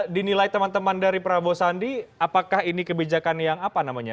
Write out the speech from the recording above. dinilai teman teman dari prabowo sandi apakah ini kebijakan yang apa namanya